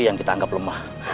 yang kita anggap lemah